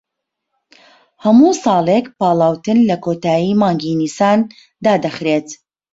هەموو ساڵێک پاڵاوتن لە کۆتایی مانگی نیسان دادەخرێت